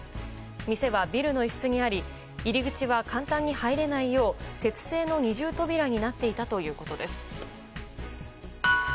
店は、ビルの一室にあり入り口は簡単に入れないよう鉄製の二重扉になっていたということです。